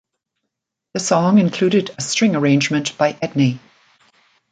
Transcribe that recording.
The song included a string arrangement by Edney.